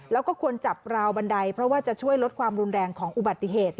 แล้วก็ควรจับราวบันไดเพราะว่าจะช่วยลดความรุนแรงของอุบัติเหตุ